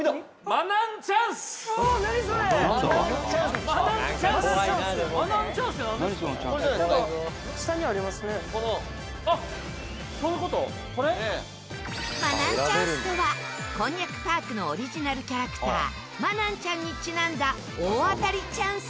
マナンチャンスとはこんにゃくパークのオリジナルキャラクターマナンちゃんにちなんだ大当たりチャンス。